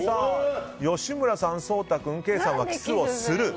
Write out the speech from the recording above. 吉村さん、颯太君、ケイさんはキスをする。